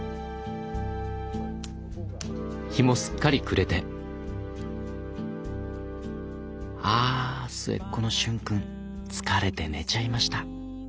日もすっかり暮れてあ末っ子の瞬くん疲れて寝ちゃいました。